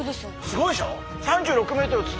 すごいでしょ。